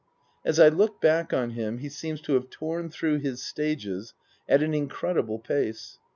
As I look back on him he seems to have torn through his stages at an incredible pace.